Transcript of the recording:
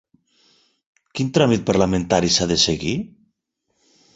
Quin tràmit parlamentari s’ha de seguir?